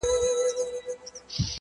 • څپه څپه را ځه توپانه پر ما ښه لګیږي -